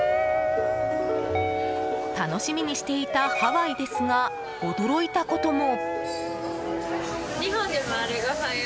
楽しみにしていたハワイですが驚いたことも。